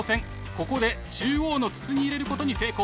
ここで中央の筒に入れることに成功。